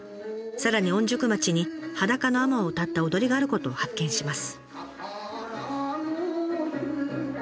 さらに御宿町に裸の海女をうたった踊りがあることを発見します。